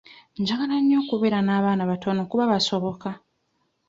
Njagala nnyo okubeera n'abaana abatono kuba basoboka.